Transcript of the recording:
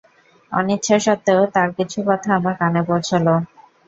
অনিচ্ছা সত্ত্বেও তার কিছু কথা আমার কানে পৌঁছল।